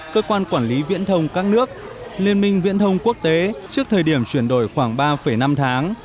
cơ quan quản lý viễn thông các nước liên minh viễn thông quốc tế trước thời điểm chuyển đổi khoảng ba năm tháng